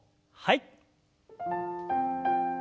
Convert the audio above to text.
はい。